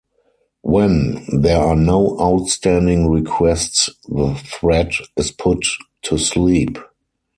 When there are no outstanding requests, the thread is put to sleep.